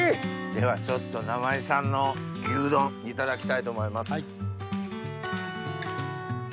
ではちょっと生井さんの牛丼いただきたいと思います。